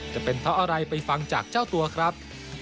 จะเป็นเพราะอะไรไปฟังจากเจ้าตัวครับ